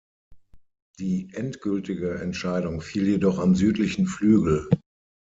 Die endgültige Entscheidung fiel jedoch am südlichen Flügel.